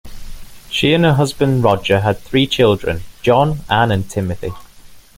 She and her husband, Roger, had three children: John, Anne and Timothy.